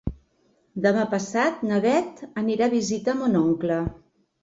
Demà passat na Bet anirà a visitar mon oncle.